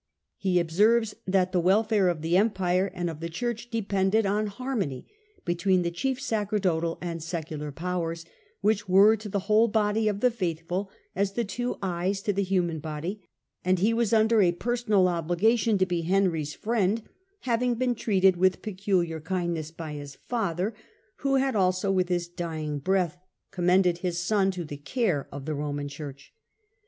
He observes that the wel fare of the Empire and of the Church depended on har mony between the chief sacerdotal and secular powers, which were to the whole body of the faithful as the two eyes to the human body ; and he was under a personal obligation to be Henry's friend, having been treated with peculiar kindness by his father, who had also with his dying breath commended his son to the care of the Roman Church.